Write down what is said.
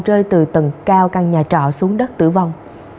rơi từ tầng cao căn nhà trọ xuống đất tử vong